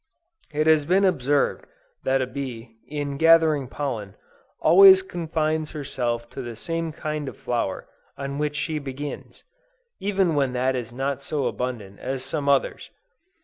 It has been observed that a bee, in gathering pollen, always confines herself to the same kind of flower on which she begins, even when that is not so abundant as some others.